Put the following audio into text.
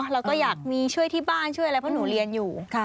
เราก็อยากมีช่วยที่บ้านช่วยอะไรเพราะหนูเรียนอยู่